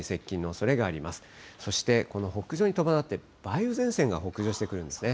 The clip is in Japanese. そしてこの北上に伴って、梅雨前線が北上してくるんですね。